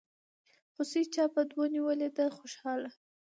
هوسۍ چا په دو نيولې دي خوشحاله